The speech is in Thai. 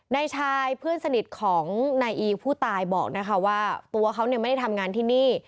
นายชายเพื่อนสนิทของนายอีผู้ตายบอกนะคะว่าตัวเขาไม่ได้ทำงานที่นี่